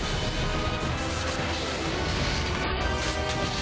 あ。